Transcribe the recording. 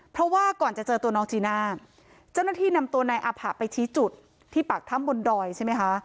เพราะว่าก่อนจะเจอตัวน้องจีน่าเจ้าหน้าที่นำตัวนายอาผะไปชี้จุดที่ปากถ้ำบนดอยใช่ไหมคะ